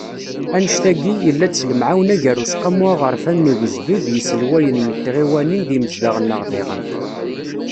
Annect-agi, yella-d s lemɛawna gar Useqqamu Aɣerfan n Ugezdu d yiselwayen n tɣiwanin d yimezdaɣ-nneɣ diɣen.